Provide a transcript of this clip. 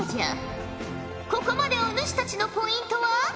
ここまでお主たちのポイントは。